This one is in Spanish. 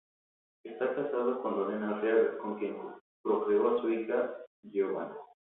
Está casado con Lorena Arriaga con quien procreó a su hija Giovanna.